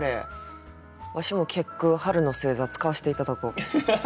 わしも結句「春の星座」使わせて頂こう。